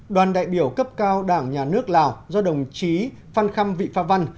đoàn đại biểu cấp cao đảng nhà nước lào do đồng chí phan khăm vị phạm văn